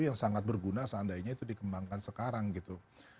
yang sangat berguna seandainya itu dikembangkan sekarang gitu